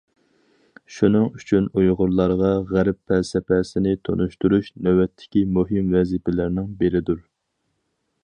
شۇنىڭ ئۈچۈن، ئۇيغۇرلارغا غەرب پەلسەپىسىنى تونۇشتۇرۇش نۆۋەتتىكى مۇھىم ۋەزىپىلەرنىڭ بىرىدۇر.